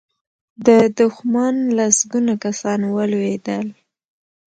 د دښمن لسګونه کسان ولوېدل.